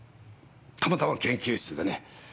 たまたま研究室でね。